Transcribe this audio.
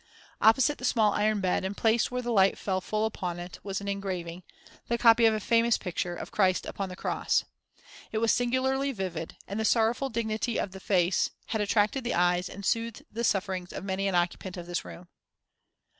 Opposite the small iron bed, and placed where the light fell full upon it, was an engraving, the copy of a famous picture, of Christ upon the Cross. It was singularly vivid, and the sorrowful dignity of the face had attracted the eyes and soothed the sufferings of many an occupant of the room.